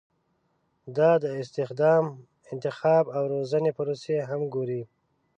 دا د استخدام، انتخاب او روزنې پروسې هم ګوري.